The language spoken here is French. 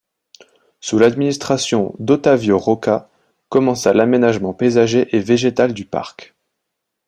Sous l'administration d'Otávio Rocha commença l'aménagement paysager et végétal du parc.